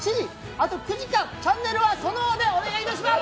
あと９時間チャンネルはそのままでお願いします！